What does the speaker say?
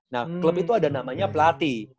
nah klub itu ada namanya pelatih